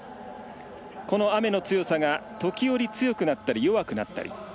この雨の強さが時折強くなったり弱くなったり。